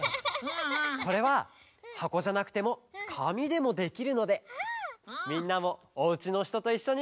これははこじゃなくてもかみでもできるのでみんなもおうちのひとといっしょに。